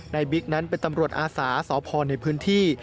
บิ๊กนั้นเป็นตำรวจอาสาสพในพื้นที่